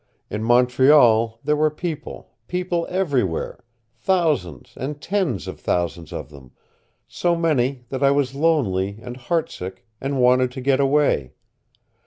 In Montreal there were people, people everywhere, thousands and tens of thousands of them, so many that I was lonely and heartsick and wanted to get away.